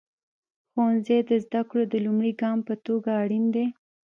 ښوونځی د زده کړو د لومړني ګام په توګه اړین دی.